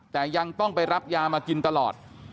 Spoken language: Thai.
แต่ยังต้องไปรับยามากินตลอด